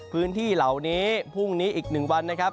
พื้นที่เหล่านี้พรุ่งนี้อีก๑วันนะครับ